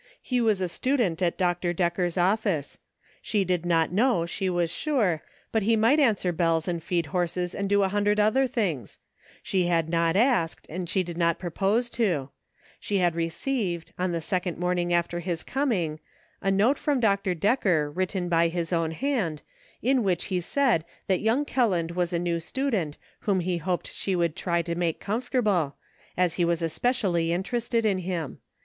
He was a stu dent at Dr. Decker's office; she did not know, she was sure, but he might answer bells and feed horses and do a hundred other things ; she had not asked, and she did not propose to ; she had re ceived, on the second morning after his coming, a note from Dr. Decker, written by his own hand, in which he said that young Kelland was a new student whom he hoped she would try to make comfortable, as he was especially interested in him.